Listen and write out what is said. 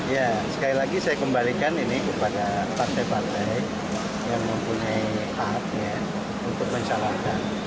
ya sekali lagi saya kembalikan ini kepada partai partai yang mempunyai haknya untuk mencalonkan